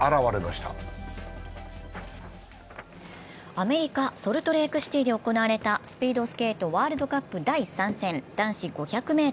アメリカ・ソルトレークシティーで行われたスピードスケートワールドカップ第３戦、男子５００ｍ。